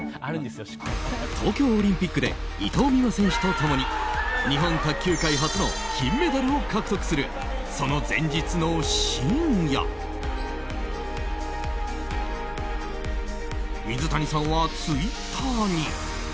東京オリンピックで伊藤美誠選手と共に日本卓球界初の金メダルを獲得する、その前日の深夜水谷さんはツイッターに。